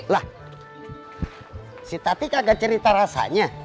lah si tati kagak cerita rasanya